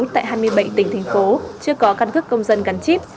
tại hai mươi bảy tỉnh thành phố chưa có căn cước công dân gắn chip